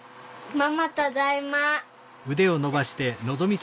ママただいま。